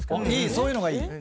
そういうのがいい。